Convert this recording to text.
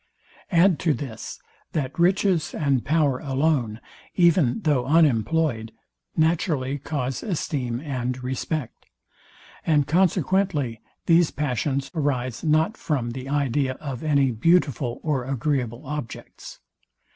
Add to this, that riches and power alone, even though unemployed, naturally cause esteem and respect: And consequently these passions arise not from the idea of any beautiful or agreeable objects.